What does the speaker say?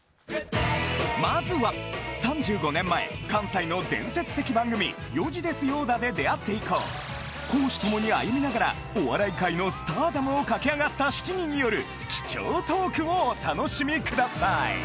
まずは３５年前関西の伝説的番組『４時ですよだ』で出会って以降公私ともに歩みながらお笑い界のスターダムを駆け上がった７人による貴重トークをお楽しみください！